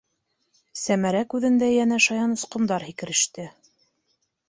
- Сәмәрә күҙендә йәнә шаян осҡондар һикереште.